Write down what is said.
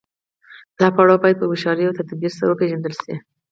دا پړاو باید په هوښیارۍ او تدبیر سره وپیژندل شي.